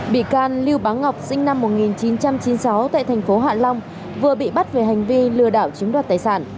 bị can lưu báo ngọc sinh năm một nghìn chín trăm chín mươi sáu tại thành phố hạ long vừa bị bắt về hành vi lừa đảo chiếm đoạt tài sản